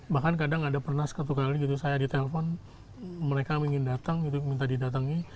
bahkan kadang ada pernah satu kali gitu saya ditelepon mereka ingin datang minta didatangi